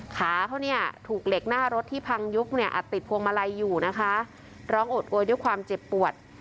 ขาเขาเนี่ยถูกเหล็กหน้ารถที่พังยุบเนี่ยอัดติดพวงมาลัยอยู่นะคะร้องโอดโอยด้วยความเจ็บปวด